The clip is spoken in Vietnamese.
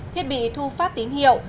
thiết bị thu phát tín hiệu